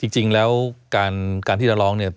จริงแล้วการที่จะร้องเนี่ย